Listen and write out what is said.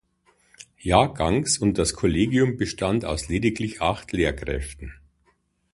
Jahrgangs und das Kollegium bestand aus lediglich acht Lehrkräften.